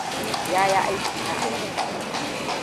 Ya yi aiki na awanni.